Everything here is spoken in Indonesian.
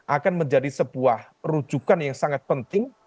akan menjadi sebuah rujukan yang sangat penting